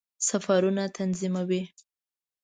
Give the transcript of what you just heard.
سفرونه تنظیموي.